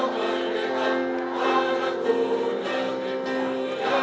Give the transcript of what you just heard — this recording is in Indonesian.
bersih merakyat kerja